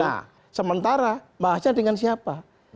nah sementara bahasnya dengan siapa